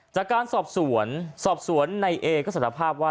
จากการสอบสวนสอบสวนในเอก็สารภาพว่า